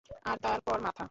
আর তার পর মাথা।